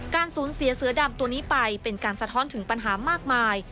สูญเสียเสือดำตัวนี้ไปเป็นการสะท้อนถึงปัญหามากมาย